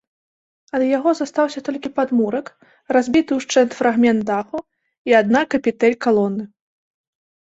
Ад яго застаўся толькі падмурак, разбіты ўшчэнт фрагмент даху і адна капітэль калоны.